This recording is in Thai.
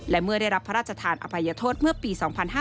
และเมื่อได้รับพระราชทานอภัยโทษเมื่อปี๒๕๕๙